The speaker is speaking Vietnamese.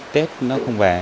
tết nó không về